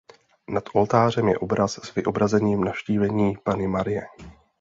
Nad oltářem je obraz s vyobrazením Navštívení Panny Marie.